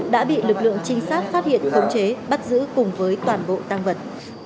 đã bị lực lượng trinh sát phát hiện khống chế bắt giữ cùng với toàn bộ tăng vật